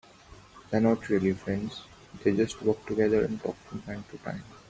They are not really friends, they just work together and talk from time to time.